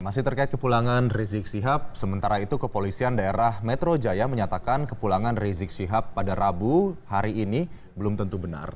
masih terkait kepulangan rizik sihab sementara itu kepolisian daerah metro jaya menyatakan kepulangan rizik syihab pada rabu hari ini belum tentu benar